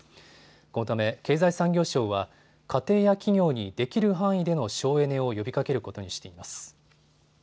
このため経済産業省は家庭や企業にできる範囲での省エネを呼びかけることにしています。